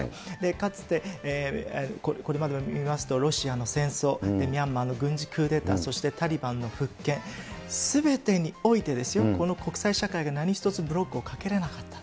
かつて、これまでを見ますと、ロシアの戦争、ミャンマーの軍事クーデター、そしてタリバンの復権、すべてにおいてですよ、この国際社会が何一つブロックをかけれなかった。